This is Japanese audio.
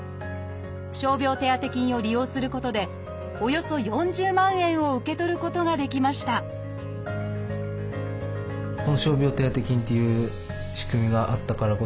傷病手当金を利用することでおよそ４０万円を受け取ることができましたというところはよかったところですね。